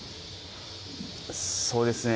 そうですね。